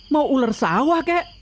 mau ular sawah kak